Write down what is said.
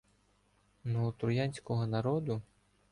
Но у троянського народу